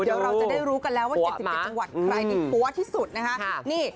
เดี๋ยวเราจะได้รู้กันแล้วว่าเจ็ดสิบเจ็ดจังหวัดใครดีหัวที่สุดนะคะนี่